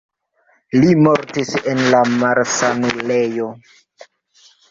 Li mortis en la malsanulejo.